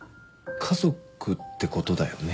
家族ってことだよね。